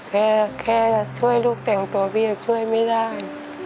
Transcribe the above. แค่ช่วยลูกแต่งตัวพี่ยังช่วยไม่ได้